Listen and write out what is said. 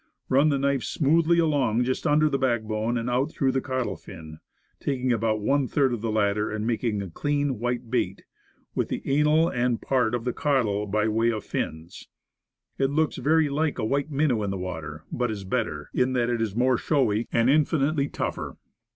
Run the knife smoothly along just under the backbone, and out through the caudal fin, taking about one third of the latter, and making a clean, white bait, with the anal and a part of the caudal by way of fins. It looks very like a white minnow in the water; but is better, in that it is more showy, and infinitely tougher.